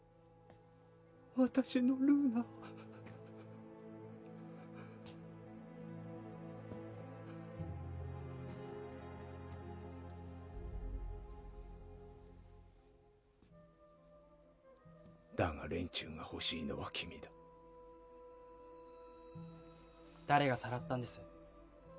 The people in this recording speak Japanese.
私のルーナだが連中が欲しいのは君だ誰がさらったんです？